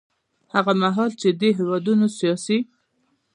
هغه مهال چې دې هېوادونو سیاسي